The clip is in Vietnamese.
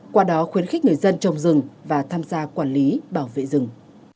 qua đó khuyến khích người dân trồng rừng và tham gia quản lý bảo vệ rừng